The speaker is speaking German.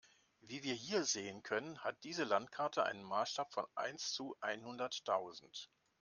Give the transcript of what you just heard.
Wie wir hier sehen können, hat diese Landkarte einen Maßstab von eins zu einhunderttausend.